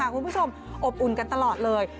คุณผู้ชมอบอุ่นกันตลอดเลย